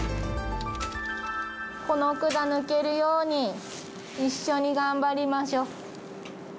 この管抜けるように、一緒に頑張りましょ。